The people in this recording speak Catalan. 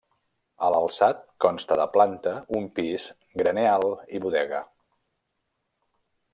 A l'alçat consta de planta, un pis, graner alt i bodega.